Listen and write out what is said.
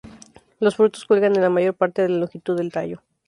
Los frutos cuelgan en la mayor parte de la longitud del tallo.